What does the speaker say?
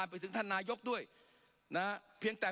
ปรับไปเท่าไหร่ทราบไหมครับ